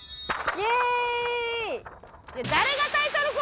イエーイ！